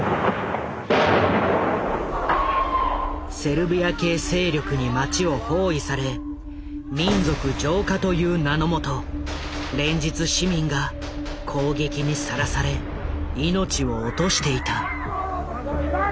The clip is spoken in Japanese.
セルビア系勢力に街を包囲され「民族浄化」という名のもと連日市民が攻撃にさらされ命を落としていた。